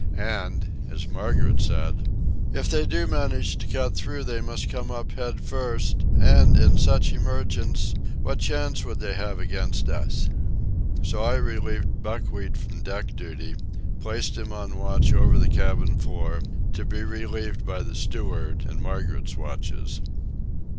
And, as Margaret said: "If they do manage to cut through, they must come up head first, and, in such emergence, what chance would they have against us?" So I relieved Buckwheat from deck duty, placed him on watch over the cabin floor, to be relieved by the steward in Margaret's watches.